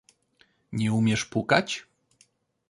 Nie umiesz pukać?